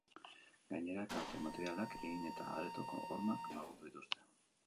Gainera, kalte materialak egin eta aretoko hormak margotu dituzte.